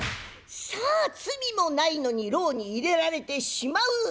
さあ罪もないのに牢に入れられてしまう。